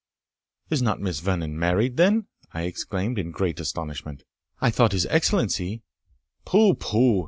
"Is not Miss Vernon married, then?" I exclaimed, in great astonishment. "I thought his Excellency" "Pooh! pooh!